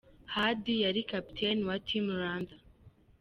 Hadi yari Kapiteni wa Team Rwanda.